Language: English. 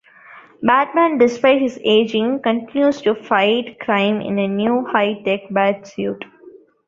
Batman, despite his aging, continues to fight crime in a new high-tech Batsuit.